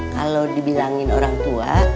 kalau dibilangin orang tua